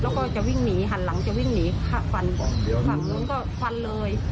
แล้วก็จะวิ่งหนีหันหลังจะวิ่งหนีฟันฝั่งนู้นก็ฟันเลย